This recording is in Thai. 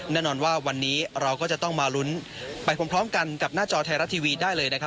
แน่นอนว่าวันนี้เราก็จะต้องมาลุ้นไปพร้อมกันกับหน้าจอไทยรัฐทีวีได้เลยนะครับ